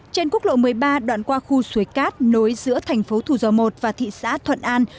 trên quốc lộ một mươi ba đoạn qua khu suối cát nối giữa thành phố thủ dầu một và thị xã thuận an